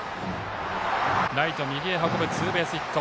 ライト右へ運ぶツーベースヒット。